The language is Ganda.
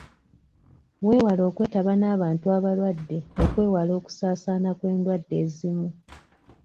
Weewale okwetaba n'abantu abalwadde okwewala okusaasaana kw'endwadde ezimu.